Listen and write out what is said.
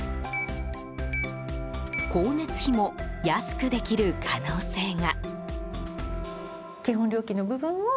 光熱費も安くできる可能性が。